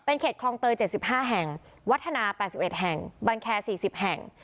เป็นเขตคลองเตยเจ็ดสิบห้าแห่งวัฒนาแปดสิบเอ็ดแห่งบันแคร์สี่สิบแห่ง